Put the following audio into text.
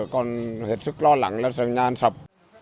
còn hết sức lo lắng là sẽ nhà sập